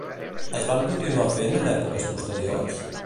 Es van continuar fent en èpoques posteriors?